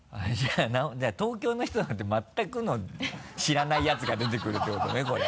じゃあ東京の人なんて全くの知らないヤツが出てくるってことねこれ。